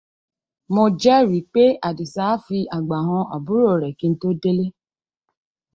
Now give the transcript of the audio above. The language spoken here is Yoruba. Mo jẹ́rìí pé Àdìsá á fi àgbà han àbúrò rẹ̀ kí n tó délé.